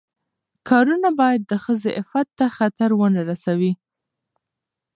کارونه باید د ښځې عفت ته خطر ونه رسوي.